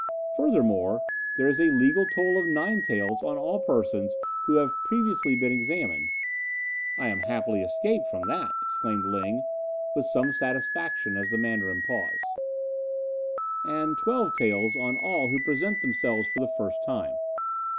Furthermore, there is a legal toll of nine taels on all persons who have previously been examined " "I am happily escaped from that," exclaimed Ling with some satisfaction as the Mandarin paused. " and twelve taels on all who present themselves for the first time.